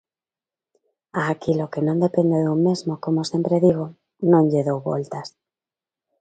A aquilo que non depende dun mesmo, como sempre digo, non lle dou voltas.